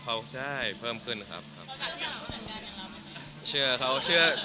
เพราะที่ทำงานเป็นเรามั่นเลย